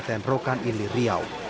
di kabupaten rokan ili riau